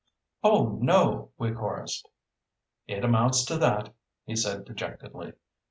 "Oh, no!" we chorused. "It amounts to that," he said dejectedly.